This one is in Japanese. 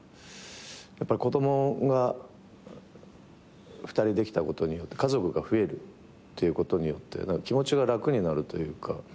やっぱり子供が２人できたことによって家族が増えるということによって気持ちが楽になるというか。